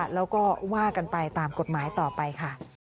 แล้วก็ว่ากันไปตามกฎหมายต่อไปค่ะ